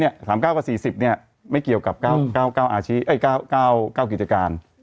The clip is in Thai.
๓๙กับ๔๐ไม่เกี่ยวกับ๙กิจการ